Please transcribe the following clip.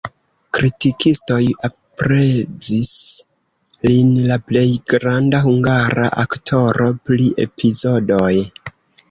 Kritikistoj aprezis lin la plej granda hungara aktoro pri epizodoj.